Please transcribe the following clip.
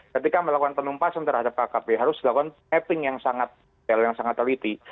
ketika melakukan penumpasan terhadap kkb harus dilakukan mapping yang sangat teliti